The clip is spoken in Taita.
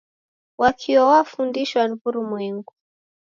Wakio wafundishwa ni wurumwengu.